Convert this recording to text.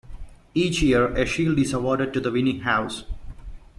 Each year a shield is awarded to the winning house.